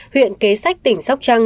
huyện kế sách tỉnh sóc trăng